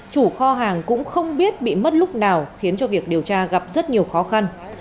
chủ kho hàng cũng không biết bị mất lúc nào khiến cho việc điều tra gặp rất nhiều khó khăn